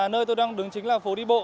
nơi tôi đang đứng chính là phố đi bộ